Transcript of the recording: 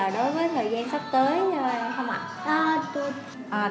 đối với thời gian sắp tới không ạ